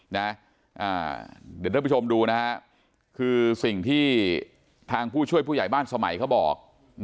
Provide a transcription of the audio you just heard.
เดี๋ยวท่านผู้ชมดูนะฮะคือสิ่งที่ทางผู้ช่วยผู้ใหญ่บ้านสมัยเขาบอก